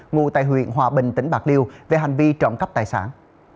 ngụ tại huyện hòa bình tỉnh bạc liêu về hành vi trộm cắp tài sản